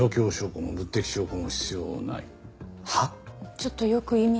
ちょっとよく意味が。